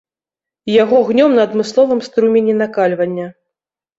Яго гнём на адмысловым струмені накальвання.